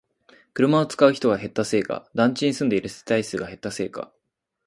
車を使う人が減ったせいか、団地に住んでいる世帯数が減ったせいか